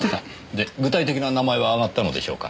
で具体的な名前はあがったのでしょうか？